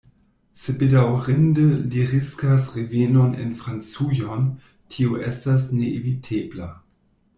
Se bedaŭrinde li riskas revenon en Francujon, tio estas neevitebla.